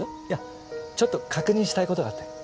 いやちょっと確認したいことがあって。